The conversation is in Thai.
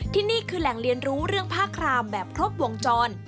นี่คือแหล่งเรียนรู้เรื่องผ้าครามแบบครบวงจร